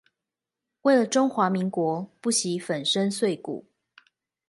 為了中華民國不惜粉身碎骨